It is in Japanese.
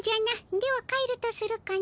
では帰るとするかの。